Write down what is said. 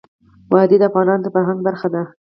وادي د افغانانو د فرهنګ پیژندني برخه ده.